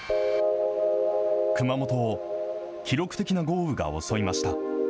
熊本を記録的な豪雨が襲いました。